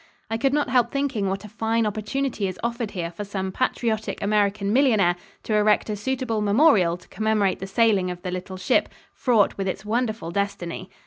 I could not help thinking what a fine opportunity is offered here for some patriotic American millionaire to erect a suitable memorial to commemorate the sailing of the little ship, fraught with its wonderful destiny.